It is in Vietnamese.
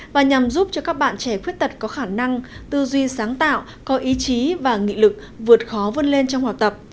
và nhằm giúp cho các bạn trẻ khuyết tật có khả năng tư duy sáng tạo có ý chí và nghị lực vượt khó vươn lên trong học tập